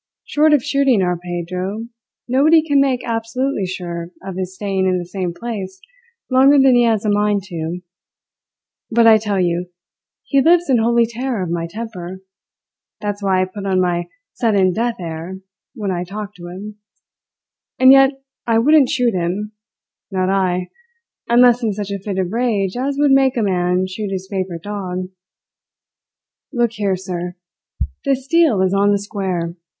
Short of shooting our Pedro, nobody can make absolutely sure of his staying in the same place longer than he has a mind to; but I tell you, he lives in holy terror of my temper. That's why I put on my sudden death air when I talk to him. And yet I wouldn't shoot him not I, unless in such a fit of rage as would make a man shoot his favourite dog. Look here, sir! This deal is on the square.